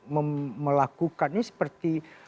melakukan ini seperti